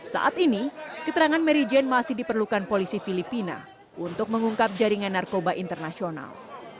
saat ini keterangan mary jane masih diperlukan polisi filipina untuk mengungkap jaringan narkoba internasional